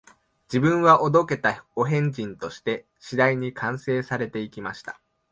自分はお道化たお変人として、次第に完成されて行きました